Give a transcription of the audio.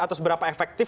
atau seberapa efektif